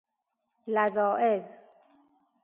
لذائذ